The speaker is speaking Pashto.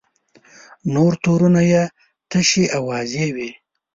نور تورونه یې تشې اوازې وې.